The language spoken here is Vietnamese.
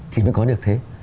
thì mới có được thế